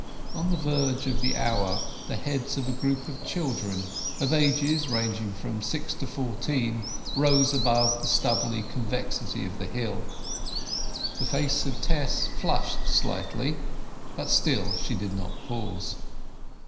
On the verge of the hour the heads of a group of children, of ages ranging from six to fourteen, rose over the stubbly convexity of the hill. The face of Tess flushed slightly, but still she did not pause.